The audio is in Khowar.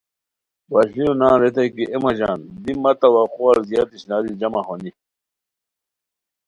وشلیو نان ریتائے کی اے مہ ژان دی مہ توقعار زیاد اشناری جمع ہونی